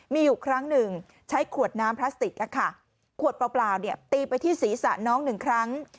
มีอยู่ครั้งหนึ่งใช้ขวดน้ำพลาสติกขวดเปล่าตีไปที่ศีรษะน้องหนึ่งครั้ง